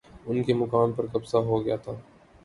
ان کے مکان پر قبضہ ہو گیا تھا